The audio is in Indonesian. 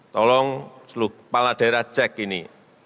tolong seluruh kepala daerah cek ini